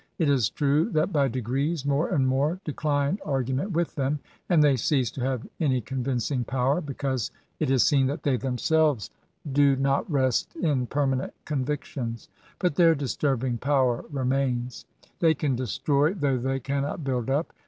It is true that, by degrees, more and more decline argument with them, and they cease to haye any conyindng power, because it is seen that they themselyes do GAINS AND PRIVILEGES. 21 5 not rest in permanent convictions ; but their dis turbing power remains. They can destroy, though they cannot build up.